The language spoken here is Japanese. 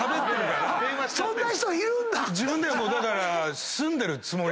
そんな人いるんだ！